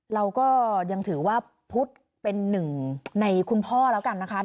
เราก็ยังถือว่าพุทธเป็นหนึ่งในคุณพ่อแล้วกันนะคะ